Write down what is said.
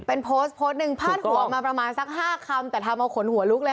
เป็นโพสต์โพสต์หนึ่งพาดหัวมาประมาณสัก๕คำแต่ทำเอาขนหัวลุกเลย